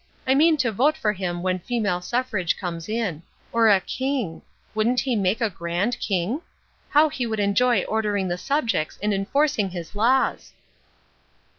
I mean to vote for him when female suffrage comes in. Or a king! Wouldn't he make a grand king? How he would enjoy ordering the subjects and enforcing his laws!"